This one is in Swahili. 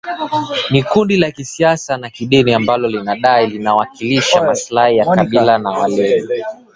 ni kundi la kisiasa na kidini ambalo linadai linawakilisha maslahi ya kabila la walendu